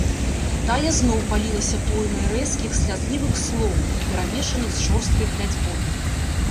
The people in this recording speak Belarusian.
Тая зноў палілася плоймай рэзкіх, слязлівых слоў, перамешаных з жорсткай кляцьбой.